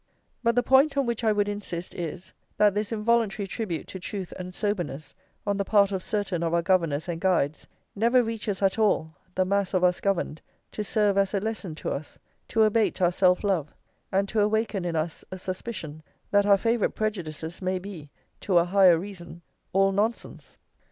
But the point on which I would insist is, that this involuntary tribute to truth and soberness on the part of certain of our governors and guides never reaches at all the mass of us governed, to serve as a lesson to us, to abate our self love, and to awaken in us a suspicion that our favourite prejudices may be, to a higher reason, all nonsense.